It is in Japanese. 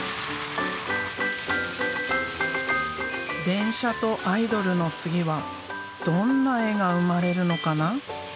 電車とアイドルの次はどんな絵が生まれるのかな。